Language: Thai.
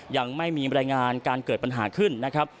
ยังไม่มีบรรยายงานการเกิดปัญหาขึ้นนะครับ